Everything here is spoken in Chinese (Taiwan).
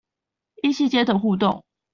異性間的互動